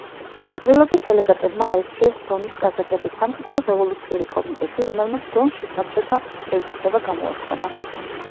ყრილობის დელეგატებმა აირჩიეს დონის კაზაკების სამხედრო-რევოლუციური კომიტეტი, რომელმაც დონში საბჭოთა ხელისუფლება გამოაცხადა.